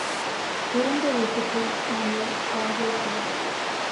திறந்த வீட்டுக்கு நல்ல காவல் தேவை.